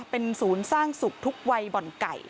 เป็นศูนย์สร้างสุขทุกวัยบ่อนไก่